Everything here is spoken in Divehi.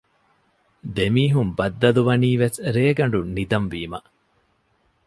ދެމީހުން ބައްދަލުވަނީވެސް ރޭގަނޑު ނިދަން ވީމަ